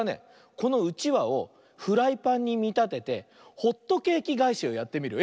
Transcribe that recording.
このうちわをフライパンにみたててホットケーキがえしをやってみるよ。